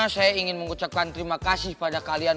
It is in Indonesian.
saya ingin mengucapkan terima kasih pada kalian